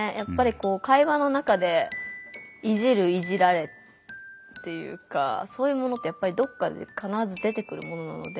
会話の中でいじる・いじられっていうかそういうものってやっぱりどっかで必ず出てくるものなので。